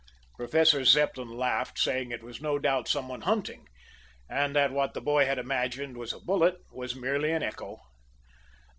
Professor Zepplin laughed, saying it was no doubt some one hunting, and that what the boy had imagined was a bullet was merely an echo.